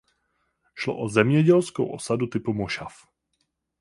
Šlo o zemědělskou osadu typu mošav.